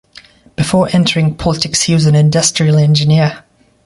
Before entering politics, he was an industrial engineer.